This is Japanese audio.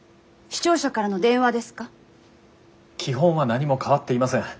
基本は何も変わっていません。